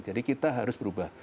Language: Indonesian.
jadi kita harus berubah